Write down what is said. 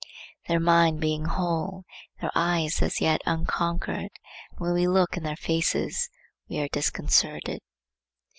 Their mind being whole, their eye is as yet unconquered, and when we look in their faces we are disconcerted.